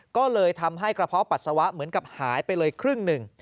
ก็เลยทำให้กระเพาะปัสสาวะเหมือนกับหายไปเลยครึ่งหนึ่ง